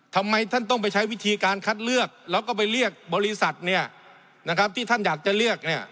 ทำไมท่านต้องไปใช้วิธีการคัดเลือกแล้วก็ไปเรียกบริษัทที่ท่านอยากจะเลือก